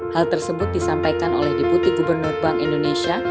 hal tersebut disampaikan oleh deputi gubernur bank indonesia